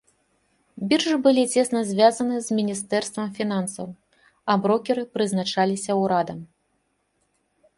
Біржы былі цесна звязаны з міністэрствам фінансаў, а брокеры прызначаліся ўрадам.